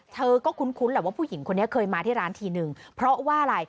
เธอก็คุ้นแหละว่าผู้หญิงคนนี้เคยมาที่ร้านทีนึงเพราะว่าอะไร